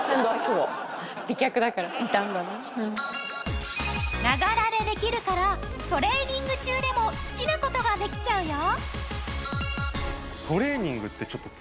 「美脚だから」「ながら」でできるからトレーニング中でも好きな事ができちゃうよ。